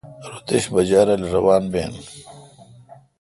رو دش باجہ رل روان بین۔